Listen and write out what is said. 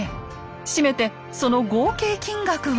締めてその合計金額は。